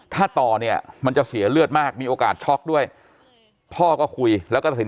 ถ้าต่อเนี่ยมันจะเสียเลือดมากมีโอกาสช็อกด้วยพ่อก็คุยแล้วก็ตัดสิน